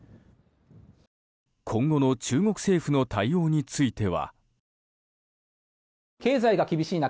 今後の中国政府の対応については。